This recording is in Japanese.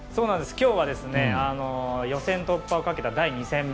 今日は予選突破をかけた２戦目。